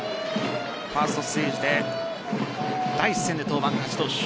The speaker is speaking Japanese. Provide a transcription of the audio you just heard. ファーストステージで第１戦で登板、勝ち投手